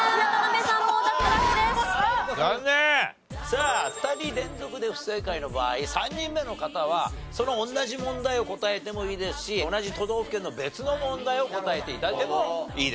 さあ２人連続で不正解の場合３人目の方はその同じ問題を答えてもいいですし同じ都道府県の別の問題を答えて頂いてもいいです。